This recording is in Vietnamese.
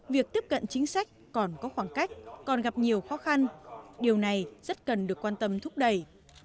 việc tiếp cận chính sách còn có khoảng cách còn gặp nhiều khó khăn điều này rất cần được quan tâm thúc đẩy